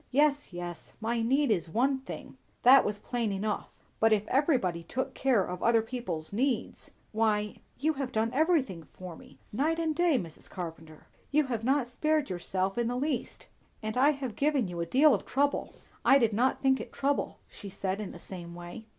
"Yes, yes, my need is one thing; that was plain enough; but if everybody took care of other people's needs Why, you have done everything for me, night and day, Mrs. Carpenter. You have not spared yourself in the least; and I have given a deal of trouble." "I did not think it trouble," she said in the same way.